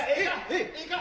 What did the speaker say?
ええか。